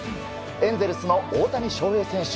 エンゼルスの大谷翔平選手